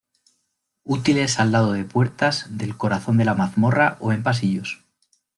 Útiles al lado de puertas, del corazón de la mazmorra, o en pasillos.